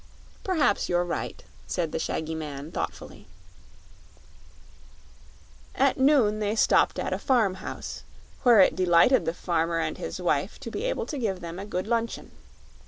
"Perhaps you're right," said the shaggy man, thoughtfully. At noon they stopped at a farmhouse, where it delighted the farmer and his wife to be able to give them a good luncheon.